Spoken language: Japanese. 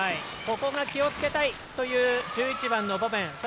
ここが気をつけたいという１１番のボベン。